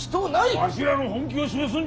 わしらの本気を示すんじゃ！